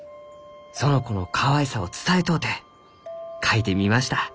「園子のかわいさを伝えとうて描いてみました」。